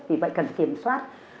vì vậy cần kiểm soát